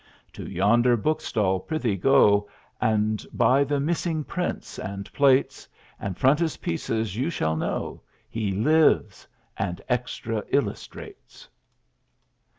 To yonder bookstall, pri'thee, go, And by the "missing" prints and plates And frontispieces you shall know He lives, and "extra illustrates"!